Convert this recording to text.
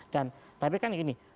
dan tapi kan gini